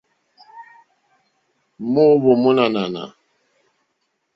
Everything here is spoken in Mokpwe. Moohvò mo nò ànànà.